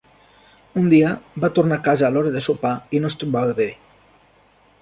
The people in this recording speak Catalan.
Un dia, va tornar a casa a l'hora de sopar i no es trobava bé.